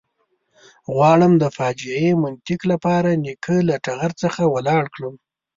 غواړم د فاجعې منطق له پلار نیکه له ټغر څخه ولاړ کړم.